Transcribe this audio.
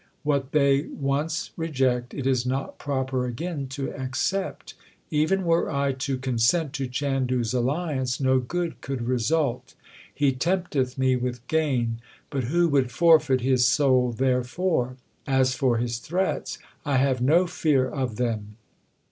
What they once reject, it is not proper again to accept. Even were I to consent to Chandu s alliance, no good could result. He tempteth me with gain, but who would forfeit his soul therefor ? As for his threats, I have no fear of them.